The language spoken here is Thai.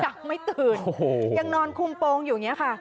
ักไม่ตื่นโอ้โหยังนอนคุมโปรงอยู่อย่างนี้ค่ะ